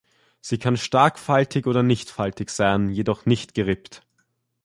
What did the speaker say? Sie kann stark faltig oder nicht faltig sein, jedoch nicht gerippt.